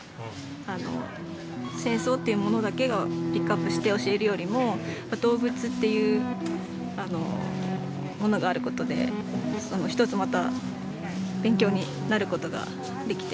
あの戦争っていうものだけをピックアップして教えるよりも動物っていうあのものがあることでそのひとつまた勉強になることができて。